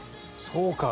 そうか！